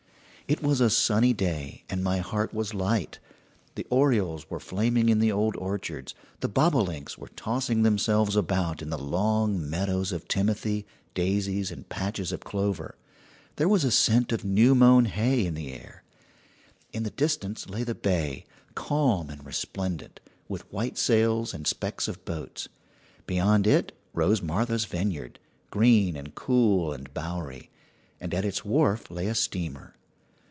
It was a sunny day, and my heart was light. The orioles were flaming in the old orchards; the bobolinks were tossing themselves about in the long meadows of timothy, daisies, and patches of clover. There was a scent of new mown hay in the air. In the distance lay the bay, calm and resplendent, with white sails and specks of boats. Beyond it rose Martha's Vineyard, green and cool and bowery, and at its wharf lay a steamer.